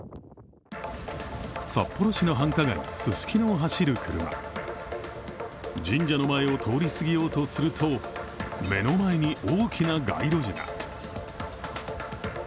札幌市の繁華街、ススキノを走る車神社の前を通り過ぎようとすると、目の前に大きな街路樹が。